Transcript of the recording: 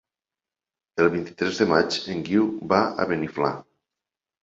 El vint-i-tres de maig en Guiu va a Beniflà.